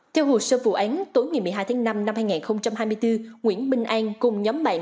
theo hồ sơ vụ án tối ngày một mươi hai tháng năm năm hai nghìn hai mươi bốn nguyễn minh an cùng nhóm bạn